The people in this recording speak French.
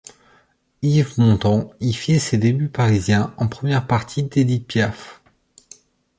Yves Montand y fit ses débuts parisiens, en première partie d'Edith Piaf.